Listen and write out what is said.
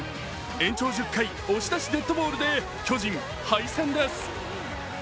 延長１０回、押し出しデッドボールで巨人、敗戦です。